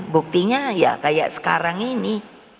buktinya ya kayak sekarang ini